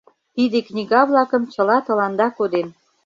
— Тиде книга-влакым чыла тыланда кодем.